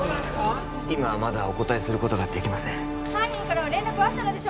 今はまだお答えすることができません犯人からは連絡はあったのでしょうか？